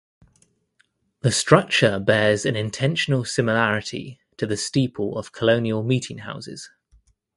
The structure bears an intentional similarity to the steeple of colonial meeting houses.